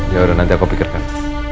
ya udah nanti aku pikirkan